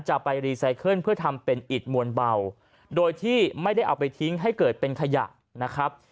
จะไปรีไซเคิลเพื่อทำเป็นอิดมวลเบาโดยที่ไม่ได้เอาไปทิ้งให้เกิดเป็นขยะนะครับ